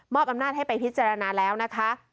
อำนาจให้ไปพิจารณาแล้วนะคะ